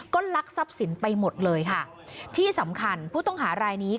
ก็ลักทรัพย์สินไปหมดเลยค่ะที่สำคัญผู้ต้องหารายนี้